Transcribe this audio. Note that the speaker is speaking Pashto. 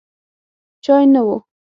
چای نه و.